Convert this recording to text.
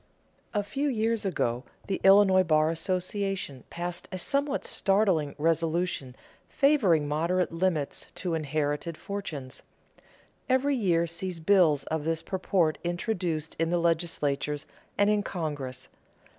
A few years ago the Illinois Bar Association passed a somewhat startling resolution favoring moderate limits to inherited fortunes. Every year sees bills of this purport introduced in the legislatures and in Congress.